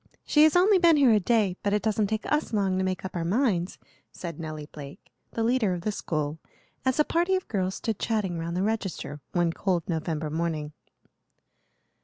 She has only been here a day, but it doesn't take us long to make up our minds," said Nelly Blake, the leader of the school, as a party of girls stood chatting round the register one cold November morning.